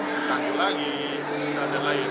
kecamu lagi dan lain lain